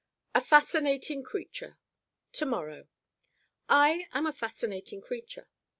A fascinating creature To morrow I am a fascinating creature.